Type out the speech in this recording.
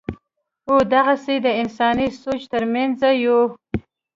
او دغسې دَانساني سوچ تر مېنځه يوه